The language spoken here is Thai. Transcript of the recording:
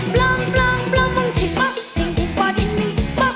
ปล้องปล้องปล้องมองชิงปะจริงจริงป่อจริงนิ่งจริงป่อ